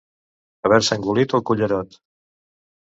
Haver-se engolit el cullerot.